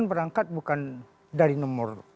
berangkat bukan dari nomor